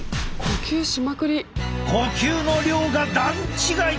呼吸の量が段違い！